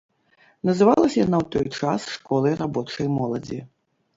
Называлася яна ў той час школай рабочай моладзі.